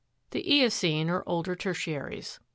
4. The Eocene, or older tertiaries.